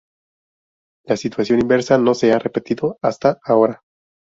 La situación inversa no se ha repetido hasta ahora.